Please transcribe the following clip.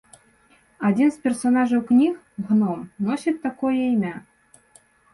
Адзін з персанажаў кніг, гном, носіць такое імя.